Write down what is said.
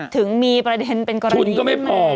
ถึงมีประเด็นเป็นกรณีแม่